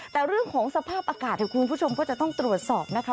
แต่เรื่องของสภาพอากาศคุณผู้ชมก็จะต้องตรวจสอบนะคะ